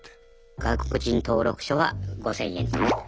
外国人登録書は５，０００円とか。